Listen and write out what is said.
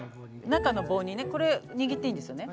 中の棒にねこれ握っていいんですよね？